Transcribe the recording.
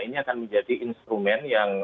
ini akan menjadi instrumen yang